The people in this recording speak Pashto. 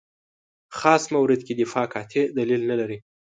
خاص مورد کې دفاع قاطع دلیل نه لري.